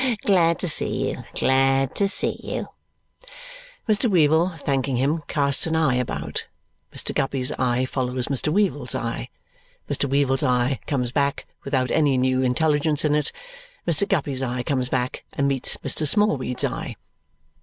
Glad to see you, glad to see you!" Mr. Weevle, thanking him, casts an eye about. Mr. Guppy's eye follows Mr. Weevle's eye. Mr. Weevle's eye comes back without any new intelligence in it. Mr. Guppy's eye comes back and meets Mr. Smallweed's eye.